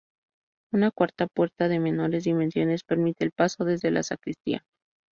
Una cuarta puerta, de menores dimensiones, permite el paso desde la sacristía.